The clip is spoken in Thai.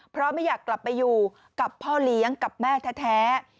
เพราะไม่อยากกลับไปอยู่กับพ่อเลี้ยงกับแม่แท้